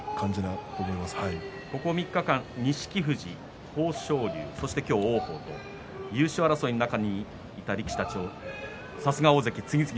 この３日間、錦富士豊昇龍そして今日、王鵬優勝争いの中にいた力士たちさすが大関です。